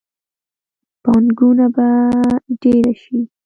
پانګونه به ډیره شي.